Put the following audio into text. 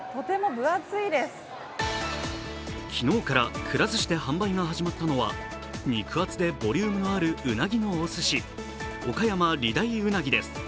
昨日からくら寿司で販売が始まったのは肉厚でボリュームのあるウナギのおすし、おかやま理大うなぎです。